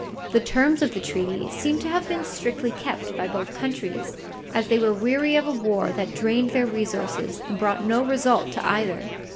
The terms of the treaty seem to have been strictly kept by both countries, as they were weary of a war that drained their resources and brought no result to either.